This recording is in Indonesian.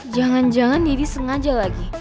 jangan jangan jadi sengaja lagi